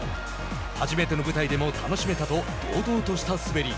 初めての舞台でも楽しめたと堂々とした滑り。